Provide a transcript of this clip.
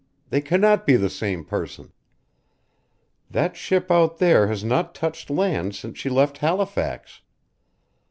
"They cannot be the same person. That ship out there has not touched land since she left Halifax.